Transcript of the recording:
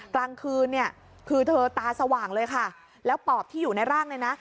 กลางคืนเนี่ยคือเธอตาสว่างเลยค่ะแล้วปอบที่อยู่ในร่างเนี่ยนะ